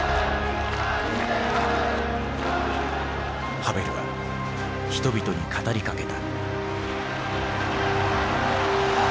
ハヴェルは人々に語りかけた。